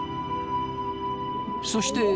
そして昴